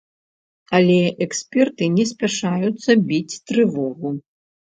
Але эксперты не спяшаюцца біць трывогу.